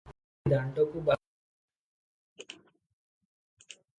ଧୀରେ ଧୀରେ ଦାଣ୍ଡକୁ ବାହାରିଲା ।